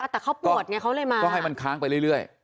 แต่เขาปวดไงเขาเลยมาต้องให้มันค้างไปเรื่อย